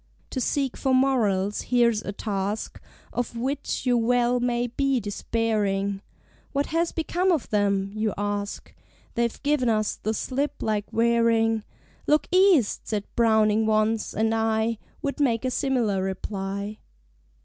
To seek for Morals here's a task Of which you well may be despairing; "What has become of them?" you ask, They've given us the slip like Waring. "Look East!" said Browning once, and I Would make a similar reply.